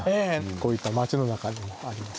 こういった町の中にもあります。